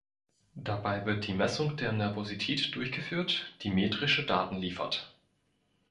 Dabei wird die Messung der Nervosität durchgeführt, die metrische Daten liefert.